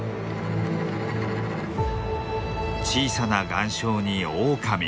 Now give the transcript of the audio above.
小さな岩礁にオオカミ。